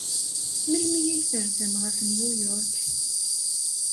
Melmi ay terzam ɣef New York?